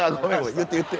言って言って。